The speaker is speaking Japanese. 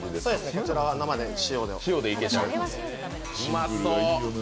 こちらは生で塩でいけます。